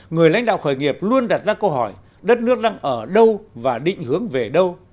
người lãnh đạo khởi nghiệp luôn đặt ra câu hỏi đất nước đang ở đâu và định hướng về đâu